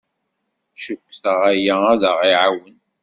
Cukkteɣ aya ad aɣ-iɛawen.